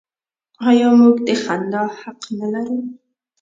آیا موږ د خندا حق نلرو؟